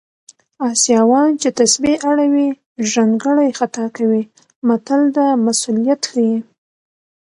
اسیاوان چې تسبې اړوي ژرندګړی خطا کوي متل د مسوولیت ښيي